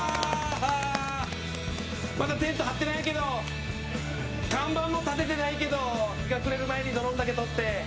まだテント張ってないけど看板も立ててないけど日が暮れる前に撮れるだけ撮って。